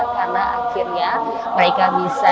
karena akhirnya mereka bisa